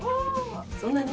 そんなに？